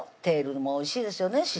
テールもおいしいですよね